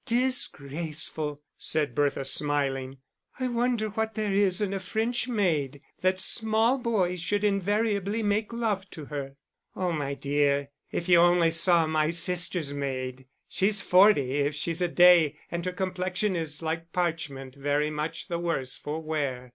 "Disgraceful!" said Bertha, smiling. "I wonder what there is in a French maid that small boys should invariably make love to her." "Oh, my dear, if you only saw my sister's maid. She's forty if she's a day, and her complexion is like parchment very much the worse for wear....